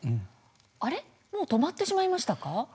あれ、もう止まってしまいましたか？